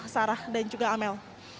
sarah dan juga amelia